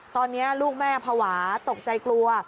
ตอนนี้ลูกแม่ภาวะตกใจกลัว